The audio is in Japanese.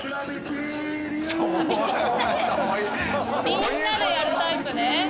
みんなでやるタイプね。